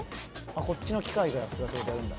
こっちの機械がやってくれてるんだ。